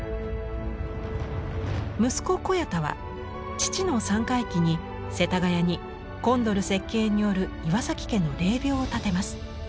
息子小彌太は父の三回忌に世田谷にコンドル設計による岩家の霊廟を建てます。